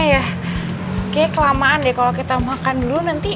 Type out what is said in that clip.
kayaknya kelamaan deh kalau kita makan dulu nanti